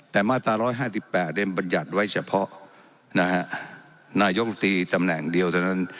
แต่มาตราร้อยห้าสิบแปดเองบัญญัติไว้เฉพาะนะฮะนายกลุ่มตรีตำแหน่งเดียวเท่านั้น